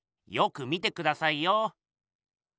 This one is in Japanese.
よく見てくださいよ。